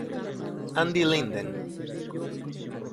Andy Linden